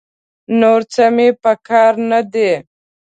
نور څه مې په کار نه دي.